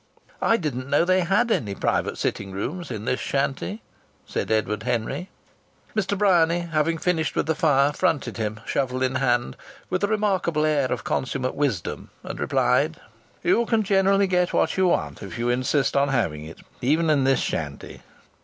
"I didn't know they had any private sitting rooms in this shanty," said Edward Henry. Mr. Bryany, having finished with the fire, fronted him, shovel in hand, with a remarkable air of consummate wisdom, and replied: "You can generally get what you want, if you insist on having it, even in this 'shanty.'"